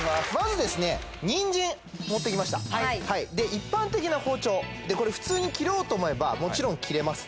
一般的な包丁でこれ普通に切ろうと思えばもちろん切れます